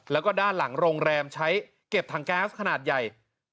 แล้วก็ด้านหลังโรงแรมใช้เก็บถังแก๊สขนาดใหญ่